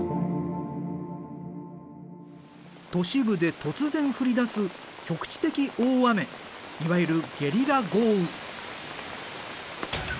都市部で突然降りだす局地的大雨いわゆるゲリラ豪雨。